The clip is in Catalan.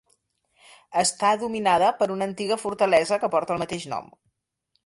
Està dominada per una antiga fortalesa que porta el mateix nom.